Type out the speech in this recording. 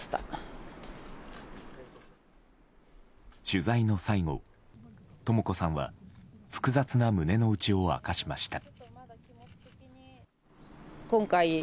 取材の最後、とも子さんは複雑な胸の内を明かしました。